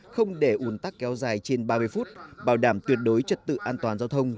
không để ủn tắc kéo dài trên ba mươi phút bảo đảm tuyệt đối trật tự an toàn giao thông